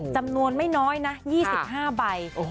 จำนวนไม่น้อยนะ๒๕ใบ